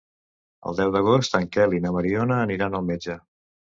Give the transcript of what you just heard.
El deu d'agost en Quel i na Mariona aniran al metge.